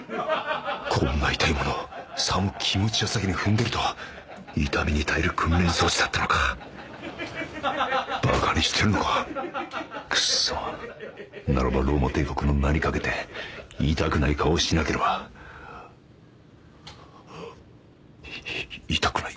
こんな痛い物をさも気持ちよさげに踏んでるとは痛みに耐える訓練装置だったのかバカにしてるのかクッソならばローマ帝国の名にかけて痛くない顔をしなければいい